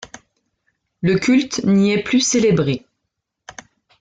Le culte n’y est plus célébré.